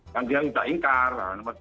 kan dia tidak ingkar